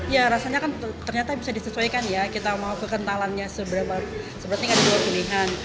ya rasanya kan ternyata bisa disesuaikan ya kita mau kekentalannya seberapa sepertinya ada dua pilihan